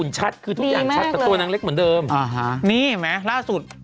แล้วทำไมแม่ไม่เล่าออก